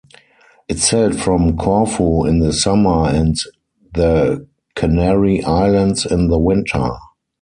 It sailed from Corfu in the summer and the Canary Islands in the winter.